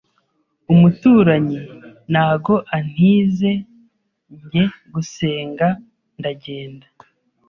umuturanyi nago antize njye gusenga ndagenda